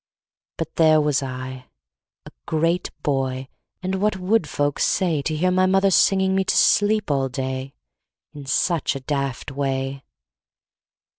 But there was I, a great boy, And what would folks say To hear my mother singing me To sleep all day, In such a daft way?